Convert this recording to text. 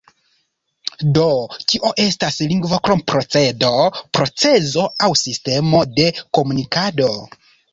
Do, kio estas lingvo krom procedo, procezo aŭ sistemo de komunikado?